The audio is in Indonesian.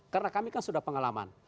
karena kami kan sudah pengalaman